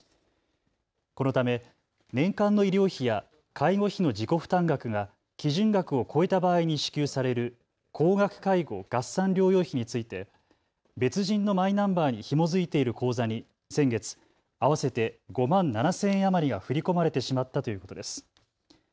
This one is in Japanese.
このため年間の医療費や介護費の自己負担額が基準額を超えた場合に支給される高額介護合算療養費について別人のマイナンバーにひも付いている口座に先月、合わせて５万７０００円余りが振り込まれてしまったということです。